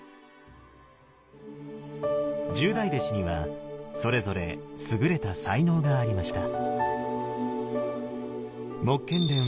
十大弟子にはそれぞれ優れた才能がありました。